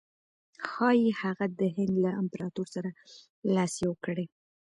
ښایي هغه د هند له امپراطور سره لاس یو کړي.